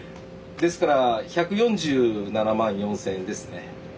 ですから１４７万４，０００円ですね。